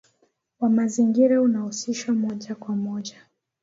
wa mazingira unahusishwa moja kwa moja